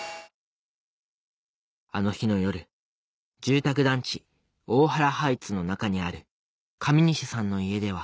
あの日の夜住宅団地大原ハイツの中にある上西さんの家では